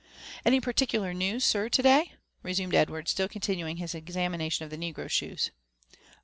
''Any particular news, sir, to day?" resumed Edward, still con tinnimg his examination of the negro shoes.